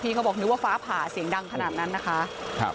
เขาบอกนึกว่าฟ้าผ่าเสียงดังขนาดนั้นนะคะ